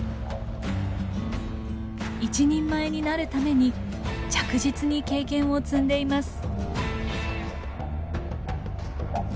一人前になるために着実に経験を積んでいます。